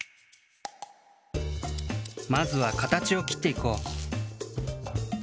まずはかたちをきっていこう。